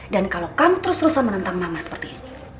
dan kalau kamu terus rusak menentang mama seperti ini